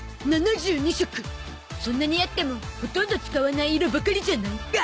そんなにあってもほとんど使わない色ばかりじゃない？